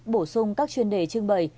bổ sung các chuyên đề trưng bày